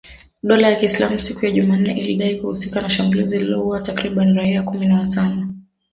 Dola ya Kiislamu siku ya Jumanne ilidai kuhusika na shambulizi lililoua takribani raia kumi na watano.